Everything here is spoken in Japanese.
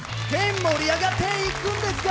盛り上がっていくんですか？